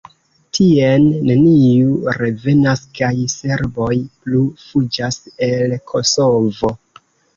Tien neniu revenas, kaj serboj plu fuĝas el Kosovo.